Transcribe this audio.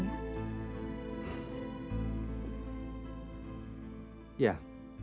bapak selamat tidur